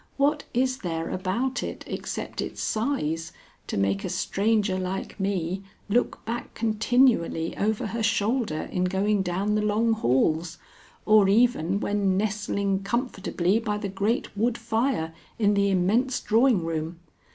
What is there about it except its size to make a stranger like me look back continually over her shoulder in going down the long halls, or even when nestling comfortably by the great wood fire in the immense drawing room?